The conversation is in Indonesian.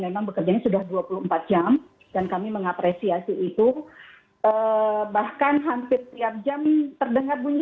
memang bekerjanya sudah dua puluh empat jam dan kami mengapresiasi itu bahkan hampir tiap jam terdengar bunyi